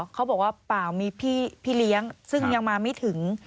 เขาบอกว่าเปล่ามีพี่เลี้ยงซึ่งยังมาไม่ถึง